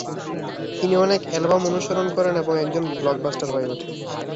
তিনি অনেক অ্যালবাম অনুসরণ করেন এবং একজন ব্লকবাস্টার হয়ে ওঠে।